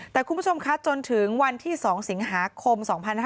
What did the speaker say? แต่คุณผู้ชมคะจนถึงวันที่๒สิงหาคม๒๕๕๙